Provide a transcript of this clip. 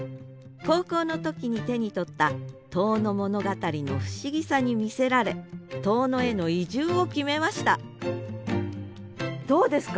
高校の時に手に取った「遠野物語」の不思議さに魅せられ遠野への移住を決めましたどうですか？